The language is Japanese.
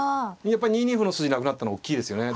やっぱり２二歩の筋なくなったのはおっきいですよね。